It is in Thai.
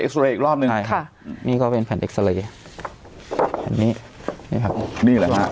อีกรอบหนึ่งค่ะนี่ก็เป็นแผ่นแผ่นนี้นี่ครับนี่แหละฮะ